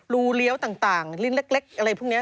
เลี้ยวต่างลิ้นเล็กอะไรพวกนี้